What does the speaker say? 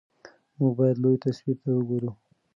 موږ باید لوی تصویر ته وګورو.